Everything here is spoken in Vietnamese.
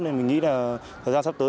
nên mình nghĩ là thời gian sắp tới